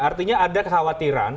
artinya ada kekhawatiran